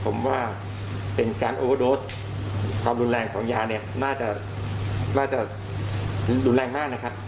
ผมว่าเป็นการขอบฤตภัยธรรมดูแลงของยานี่น่าจะน่าจะรุนแรงมากนะครับ